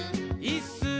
いっすー！